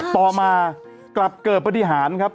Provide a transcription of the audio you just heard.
ต่อมากลับเกิดปฏิหารครับ